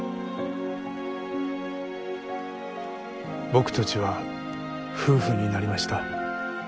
僕たちは夫婦になりました。